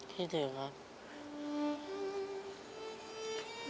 คิดถึงครับ